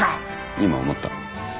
今思った？